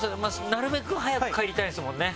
なるべく早く帰りたいですもんね。